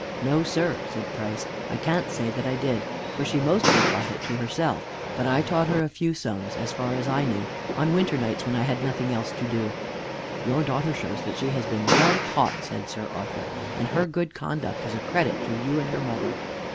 "No, sir," said Price, "I can't say I did that, for she mostly taught it to herself; but I taught her a few sums, as far as I knew, on winter nights when I had nothing else to do." "Your daughter shows that she has been well taught," said Sir Arthur; "and her good conduct is a credit to you and her mother."